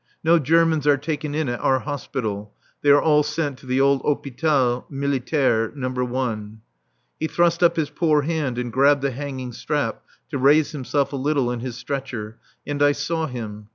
(No Germans are taken in at our Hospital; they are all sent to the old Hôpital Militaire No. I.) He thrust up his poor hand and grabbed the hanging strap to raise himself a little in his stretcher, and I saw him.